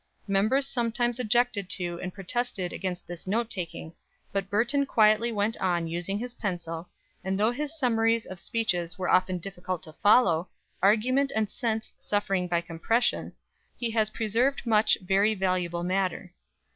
Members sometimes objected to and protested against this note taking, but Burton quietly went on using his pencil, and though his summaries of speeches are often difficult to follow, argument and sense suffering by compression, he has preserved much very valuable matter.